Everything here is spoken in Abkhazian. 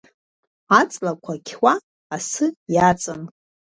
Аҵлақәа қьуа асы иаҵан…